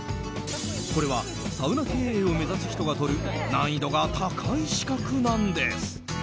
これはサウナ経営を目指す人がとる難易度が高い資格なんです。